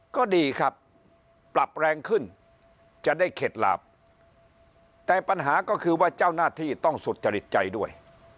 ก็ดีครับปรับแรงขึ้นจะได้เข็ดหลาบแต่ปัญหาก็คือว่าเจ้าหน้าที่ต้องสุจริตใจด้วย